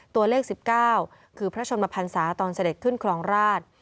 ตัวเลข๑๙คือพระชนมพันศาตอนเสด็จขึ้นครองราช